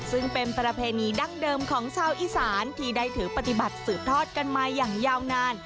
ซึ่งเป็นประเพณีดั้งเดิมของชาวอีสานที่ได้ถือปฏิบัติสืบทอดกันมาอย่างยาวนาน